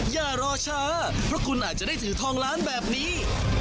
อย่ารอช้าเพราะคุณอาจจะได้ถือทองล้านแบบนี้